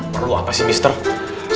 perlu apa sih ustaz